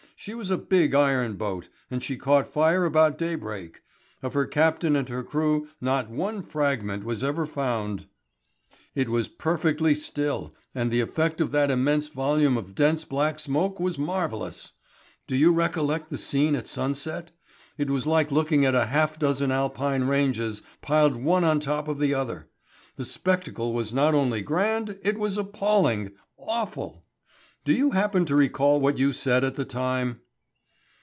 She was a big iron boat, and she caught fire about daybreak. Of her captain and her crew not one fragment was ever found." "It was perfectly still and the effect of that immense volume of dense black smoke was marvellous. Do you recollect the scene at sunset? It was like looking at half a dozen Alpine ranges piled one on the top of the other. The spectacle was not only grand, it was appalling, awful. Do you happen to recollect what you said at the time?"